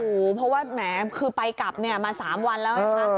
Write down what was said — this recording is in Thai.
โอ้โหเพราะว่าแหมคือไปกลับเนี่ยมา๓วันแล้วนะคะ